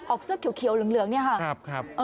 เสื้อเขียวเหลืองเนี่ยค่ะ